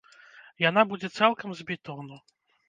Яна будзе цалкам з бетону.